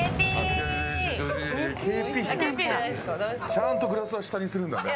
ちゃんとグラスは下にするんだね。